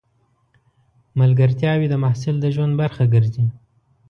ملګرتیاوې د محصل د ژوند برخه ګرځي.